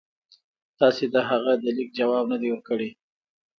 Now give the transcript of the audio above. تاسي د هغه د لیک جواب نه دی ورکړی.